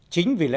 chính vì lãnh đạo